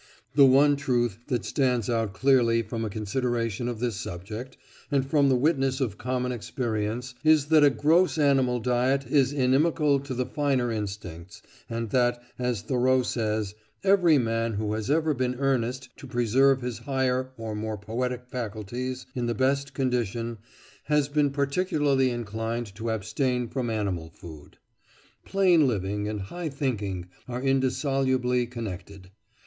The one truth that stands out clearly from a consideration of this subject, and from the witness of common experience, is that a gross animal diet is inimical to the finer instincts, and that, as Thoreau says, "every man who has ever been earnest to preserve his higher or more poetic faculties in the best condition, has been particularly inclined to abstain from animal food." Plain living and high thinking are indissolubly connected.